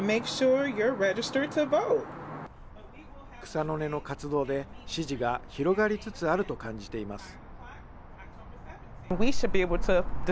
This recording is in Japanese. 草の根の活動で、支持が広がりつつあると感じています。